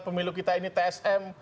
pemilu kita ini tsm